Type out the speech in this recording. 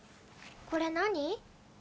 これ何？